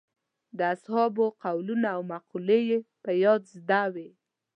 د اصحابو قولونه او مقولې یې په یاد زده وې.